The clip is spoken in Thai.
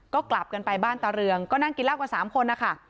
ก็กลับกันไปบ้านตาเรืองก็นั่งกินเหล้ากัน๓คนนะคะ